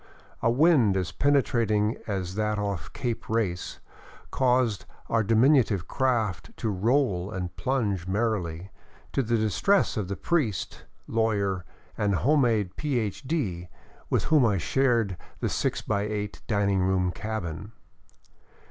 A wind as penetrating as that off Cape Race caused our diminutive craft to roll and plunge merrily, to the distress of the priest, lawyer, and home made Ph.D., with whom I shared the six by eight dining room cabin.